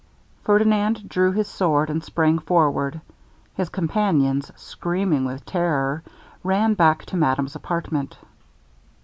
Ferdinand drew his sword and sprang forward; his companions, screaming with terror, ran back to madame's apartment.